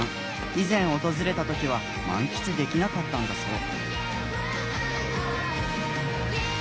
以前訪れた時は満喫できなかったんだそう。